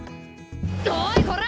おいこら！